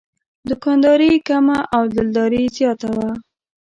دوکانداري یې کمه او دلداري زیاته وه.